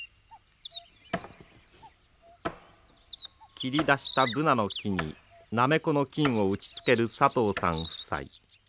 切り出したブナの木になめこの菌を打ちつけるさとうさん夫妻。